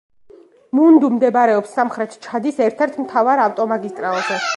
მუნდუ მდებარეობს სამხრეთ ჩადის ერთ-ერთ მთავარ ავტომაგისტრალზე.